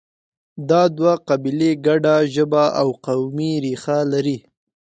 دا دوه قبیلې ګډه ژبه او قومي ریښه لري